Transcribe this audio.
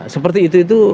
seperti itu itu